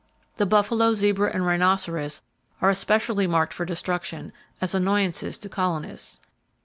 The buffalo, zebra and rhinoceros are especially marked for destruction, as annoyances to colonists.